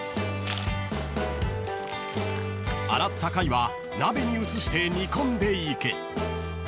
［洗った貝は鍋に移して煮込んでいく］